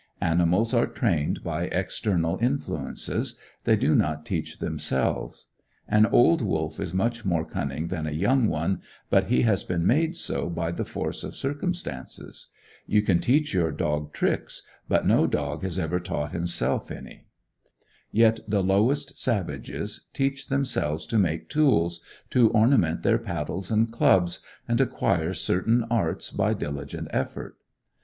Animals are trained by external influences; they do not teach themselves. An old wolf is much more cunning than a young one, but he has been made so by the force of circumstances. You can teach your dog tricks, but no dog has ever taught himself any. Yet the lowest savages teach themselves to make tools, to ornament their paddles and clubs, and acquire certain arts by diligent effort.